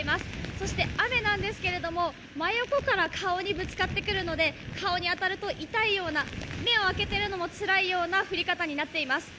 そして雨なんですけれども、真横から顔にぶつかってくるので顔に当たると痛いような、目を開けてるのもつらいような降り方になっています。